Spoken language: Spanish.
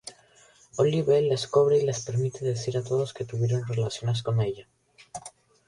Olive les cobra y les permite decir a todos que tuvieron relaciones con ella.